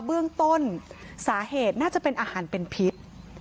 เบื้องต้นสาเหตุน่าจะเป็นอาหารเป็นพิษ